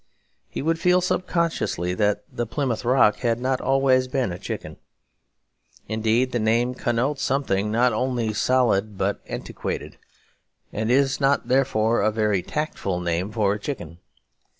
He would feel subconsciously that the Plymouth Rock had not always been a chicken. Indeed, the name connotes something not only solid but antiquated; and is not therefore a very tactful name for a chicken.